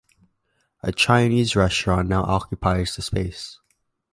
A Chinese restaurant now occupies the space.